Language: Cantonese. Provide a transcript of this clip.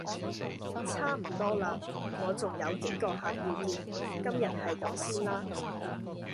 差唔多喇，我重有幾個客要見。今日係咁先啦